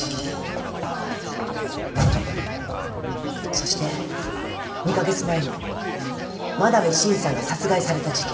そして２カ月前の真鍋伸さんが殺害された事件。